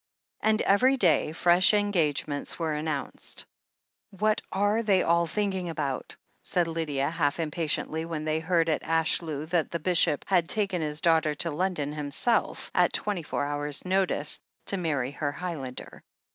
And every day fresh engagements were announced. "What are they all thinking about?" said Lydia half impatiently, when they heard at Ashlew that the Bishop had taken his daughter to London himself, at twenty four hours' notice, to marry her Highlander.